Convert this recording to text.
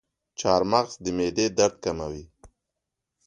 چارمغز د معدې درد کموي.